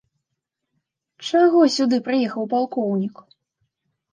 Чаго сюды прыехаў палкоўнік?